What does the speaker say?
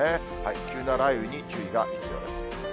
急な雷雨に注意が必要です。